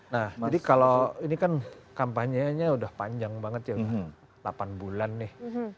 nah jadi kalau ini kan kampanyenya udah panjang banget ya udah delapan bulan nih